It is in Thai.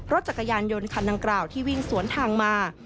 รถจักรยานยนต์คันดังกล่าวที่วิ่งสวนทางมา